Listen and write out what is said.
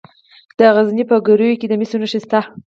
د غزني په ګیرو کې د مسو نښې شته.